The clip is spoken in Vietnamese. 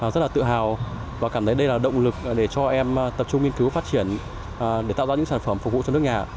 rất là tự hào và cảm thấy đây là động lực để cho em tập trung nghiên cứu phát triển để tạo ra những sản phẩm phục vụ cho nước nhà